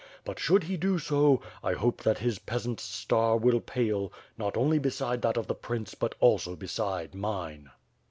But should he do so, I hope that his peasant's star will pale not only beside that of the prince but also beside mine."